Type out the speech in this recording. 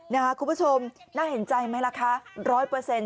คุณผู้ชมน่าเห็นใจไหมล่ะคะร้อยเปอร์เซ็นต